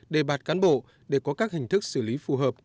đề bạt cán bộ để có các hình thức xử lý phù hợp